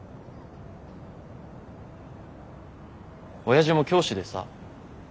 親父も教師でさ。